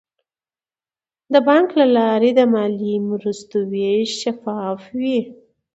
د بانک له لارې د مالي مرستو ویش شفاف وي.